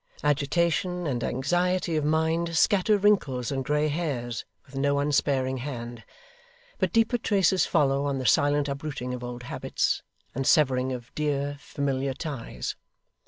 Agitation and anxiety of mind scatter wrinkles and grey hairs with no unsparing hand; but deeper traces follow on the silent uprooting of old habits, and severing of dear, familiar ties.